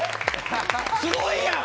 すごいやん！